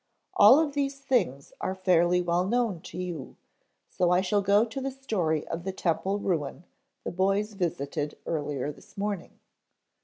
All of these things are fairly well known to you, so I shall go to the story of the temple ruin the boys visited earlier this morning.